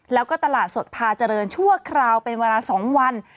แล้วก็ตลาดสดพาเจริญชั่วคราวเป็นเวลา๒วัน